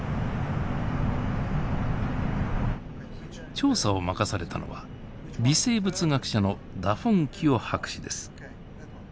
調査を任されたのは微生物学者のダフォンキオ博士です。